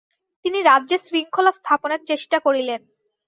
তিনি রাজ্যে শৃঙ্খলা-স্থাপনের চেষ্টা করিলেন।